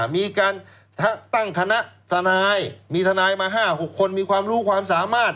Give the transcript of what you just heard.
มีการตั้งคณะทนายมีทนายมา๕๖คนมีความรู้ความสามารถ